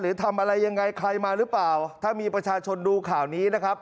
ทำอะไรยังไงใครมาหรือเปล่าถ้ามีประชาชนดูข่าวนี้นะครับ